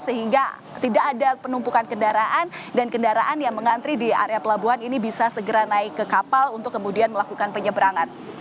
sehingga tidak ada penumpukan kendaraan dan kendaraan yang mengantri di area pelabuhan ini bisa segera naik ke kapal untuk kemudian melakukan penyeberangan